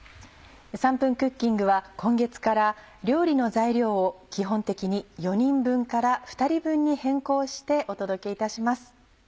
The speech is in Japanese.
『３分クッキング』は今月から料理の材料を基本的に４人分から２人分に変更してお届けいたします。